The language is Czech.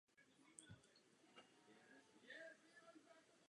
Jeden den stvoření odpovídá tisíci skutečným letům.